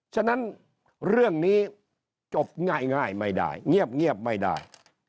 ฉะนั้นเรื่องนี้จบง่ายไม่ได้เงียบไม่ได้